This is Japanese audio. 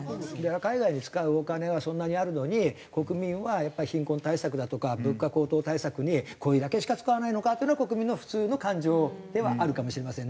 海外で使うお金はそんなにあるのに国民はやっぱり貧困対策だとか物価高騰対策にこれだけしか使わないのかっていうのが国民の普通の感情ではあるかもしれませんね。